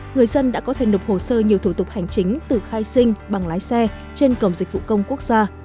người dân đã có thể nộp hồ sơ nhiều thủ tục hành chính từ khai sinh bằng lái xe trên cổng dịch vụ công quốc gia